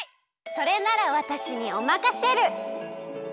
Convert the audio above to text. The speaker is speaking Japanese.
それならわたしにおまかシェル！